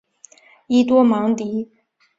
伊多芒迪。